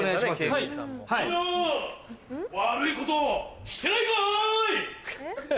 みんな悪いことしてないかい？